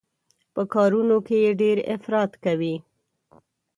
په کارونو کې يې ډېر افراط کوي.